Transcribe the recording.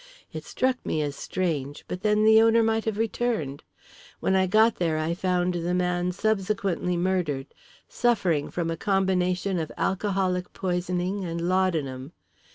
It struck me as strange, but then the owner might have returned. When I got there I found the man subsequently murdered suffering from a combination of alcoholic poisoning and laudanum.